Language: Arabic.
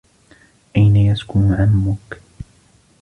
أين يسكن عمك؟